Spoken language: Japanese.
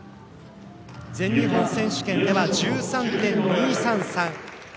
全日本選手権では１３．２３３。